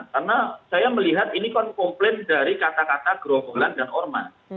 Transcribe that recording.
karena saya melihat ini kan komplain dari kata kata grovolan dan orman